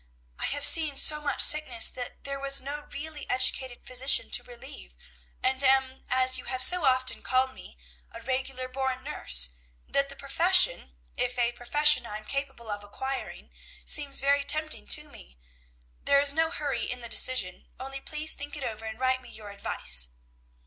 I have seen so much sickness that there was no really educated physician to relieve, and am, as you have so often called me, 'a regular born nurse,' that the profession, if a profession I am capable of acquiring, seems very tempting to me. There is no hurry in the decision, only please think it over, and write me your advice."